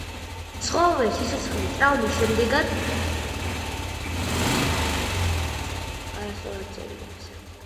ცხოველს სიცოცხლე ტრავმის შემდეგ შემდეგაც გაუგრძელებია.